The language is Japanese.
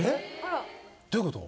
どういうこと？